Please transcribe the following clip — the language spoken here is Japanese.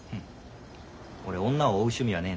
俺女を追う趣味はねえんだ。